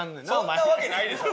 そんなわけないでしょ。